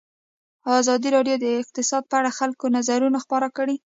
ازادي راډیو د اقتصاد په اړه د خلکو نظرونه خپاره کړي.